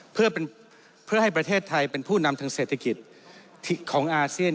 เพื่อให้ประเทศไทยเป็นผู้นำทางเศรษฐกิจของอาเซียน